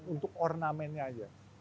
untuk ornamennya aja